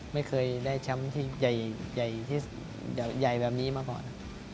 ไม่เคยได้ชัมป์ที่ใหญ่แบบนี้มาก่อน